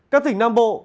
các thỉnh nam bộ